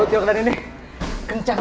tapi itu rezeki setistir bahwa